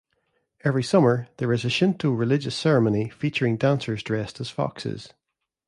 Every summer, there is a Shinto religious ceremony featuring dancers dressed as foxes.